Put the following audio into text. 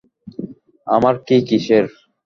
আমার কী কীসের?